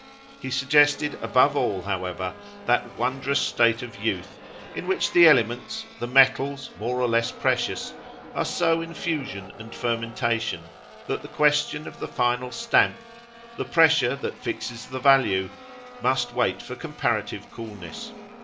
He suggested above all, however, that wondrous state of youth in which the elements, the metals more or less precious, are so in fusion and fermentation that the question of the final stamp, the pressure that fixes the value, must wait for comparative coolness.